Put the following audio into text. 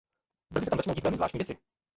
Brzy se tam začnou dít velmi zvláštní věci.